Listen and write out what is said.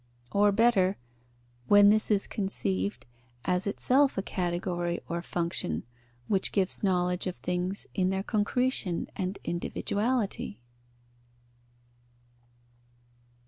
Or, better, when this is conceived as itself a category or function, which gives knowledge of things in their concretion and individuality?